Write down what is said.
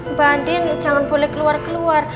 mbak andin jangan boleh keluar keluar